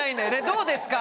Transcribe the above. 「どうですか？」